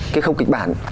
cái khâu kịch bản